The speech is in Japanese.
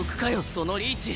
そのリーチ！